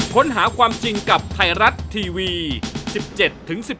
ค้นหาความจริงกับไทยรัฐทีวี๑๗๑๘กันยายนนี้